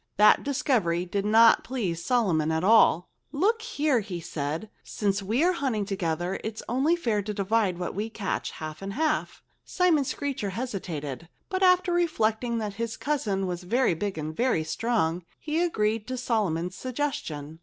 That discovery did not please Solomon at all. "Look here!" he said. "Since we are hunting together it's only fair to divide what we catch, half and half." Simon Screecher hesitated. But after reflecting that his cousin was very big and very strong, he agreed to Solomon's suggestion.